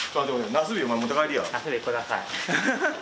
なすびください。